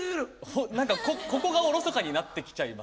何かここがおろそかになってきちゃいませんか？